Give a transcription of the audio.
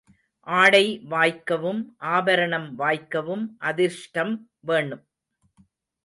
ஆடை வாய்க்கவும் ஆபரணம் வாய்க்கவும் அதிர்ஷ்டம் வேணும்.